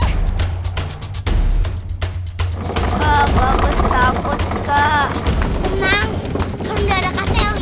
kak shelly bakal jagain kamu kak